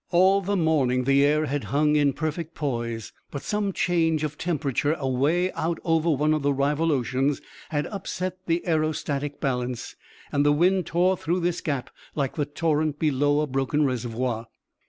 All the morning the air had hung in perfect poise, but some change of temperature away out over one of the rival oceans had upset the aerostatic balance, and the wind tore through this gap like the torrent below a broken reservoir.